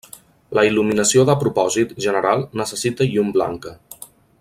La il·luminació de propòsit general necessita llum blanca.